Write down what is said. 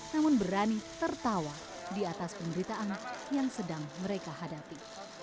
namun berani tertawa di atas pemberitaan yang sedang mereka hadapi